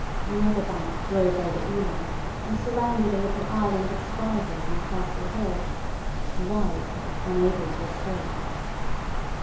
Another bank drove over Ealing, and surrounded a little island of survivors on Castle Hill, alive, but unable to escape.